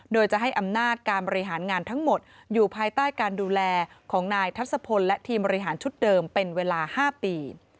โดยจะให้อำนาจการบริหารงานทั้งหมดอยู่ภายใต้การดูแลของนายทัศพลและทีมบริหารชุดเดิมเป็นเวลา๕ปี